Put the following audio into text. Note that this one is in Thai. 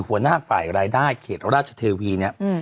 หัวหน้าฝ่ายรายได้เขตรราชเทวี